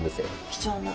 貴重な。